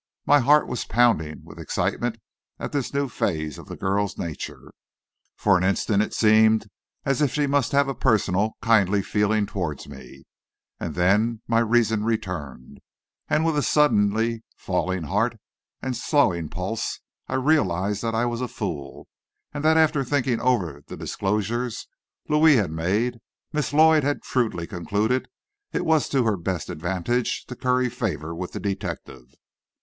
My heart was pounding with excitement at this new phase of the girl's nature. For an instant it seemed as if she must have a personal kindly feeling toward me, and then my reason returned, and with a suddenly falling heart and slowing pulses, I realized that I was a fool, and that after thinking over the disclosures Louis had made, Miss Lloyd had shrewdly concluded it was to her best advantage to curry favor with the detective.